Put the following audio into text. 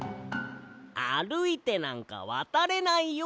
あるいてなんかわたれないよ。